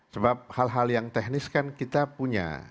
sebab hal hal yang teknis kan kita punya